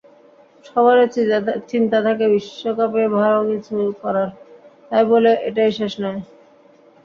সবারই চিন্তা থাকে বিশ্বকাপে ভালো কিছু করার, তাই বলে এটাই শেষ নয়।